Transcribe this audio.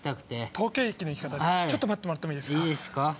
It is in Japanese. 東京駅の行き方ですね待ってもらってもいいですか。